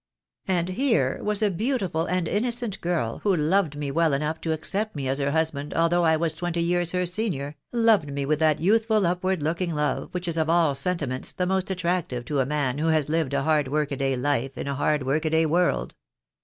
"And here was a beautiful and innocent girl who loved me well enough to accept me as her husband al though I was twenty years her senior, loved me with that youthful upward looking love which is of all sentiments the most attractive to a man who has lived a hard work a day life in a hard work a day world.